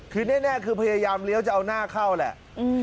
คือแน่คือพยายามเลี้ยวจะเอาหน้าเข้าแหละ